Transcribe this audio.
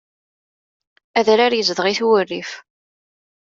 Adrar izdeɣ-it wurrif.